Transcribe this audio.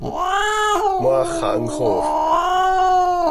Cmaax xaa mxoofp.